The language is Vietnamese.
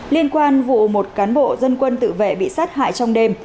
liên quan vụ một cán bộ dân quân tự vệ bị sát hại trong đêm